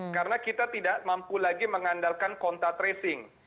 karena kita tidak mampu lagi mengandalkan konta tracing